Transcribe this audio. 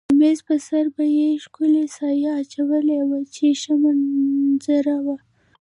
د مېز پر سر به یې ښکلې سایه اچولې وه چې ښه منظر و.